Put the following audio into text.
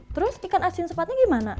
terus ikan asin sepatnya gimana